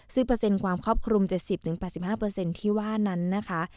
ซึ่งเปอร์เซ็นต์ความครอบคลุม๗๐๘๕ที่ว่านั้นนะคะ